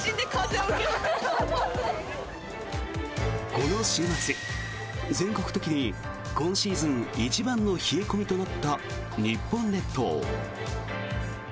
この週末、全国的に今シーズン一番の冷え込みとなった日本列島。